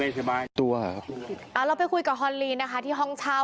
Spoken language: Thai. เอาเราไปคุยกับฮอนลีนะคะที่ห้องเช้า